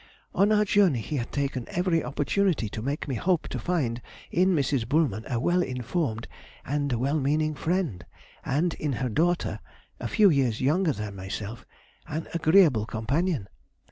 On our journey he had taken every opportunity to make me hope to find in Mrs. Bulman a well informed and well meaning friend, and in her daughter, a few years younger than myself, an agreeable companion.